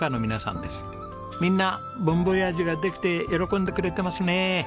みんな「母ん母親父」ができて喜んでくれてますね。